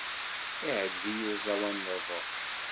Iεǧeb-iyi uẓawan n rock.